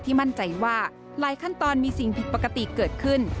มั่นใจว่าหลายขั้นตอนมีสิ่งผิดปกติเกิดขึ้น